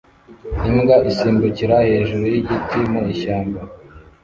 Imbwa isimbukira hejuru y’igiti mu ishyamba